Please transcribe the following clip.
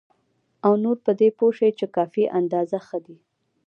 او نور په دې پوه شي چې کافي اندازه ښه دي.